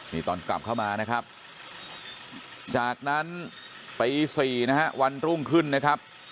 นี่ตอนกลับเข้ามานะครับจากนั้นตี๔นะฮะวันรุ่งขึ้นนะครับ